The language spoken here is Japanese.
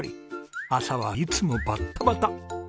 朝はいつもバッタバタ！